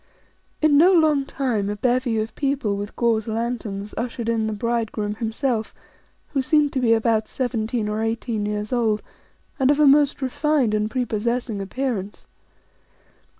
In no long time, a bevy of people with gauze lanterns ushered in the bridegroom himself, who seemed to be about seventeen or eighteen years old, and of a most refined and prepossessing appearance.